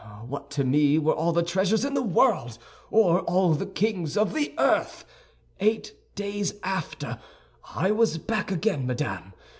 What to me were all the treasures in the world, or all the kings of the earth! Eight days after, I was back again, madame.